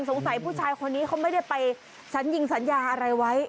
สงสัยผู้ชายคนนี้เขาไม่ได้ไปสัญญิงสัญญาอะไรไว้